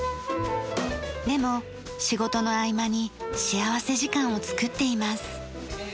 でも仕事の合間に幸福時間をつくっています。